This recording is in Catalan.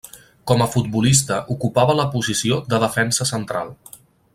Com a futbolista ocupava la posició de defensa central.